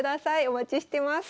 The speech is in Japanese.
お待ちしてます。